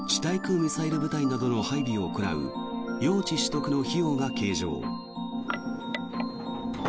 対空ミサイル部隊などの配備に必要な用地取得の費用が計上。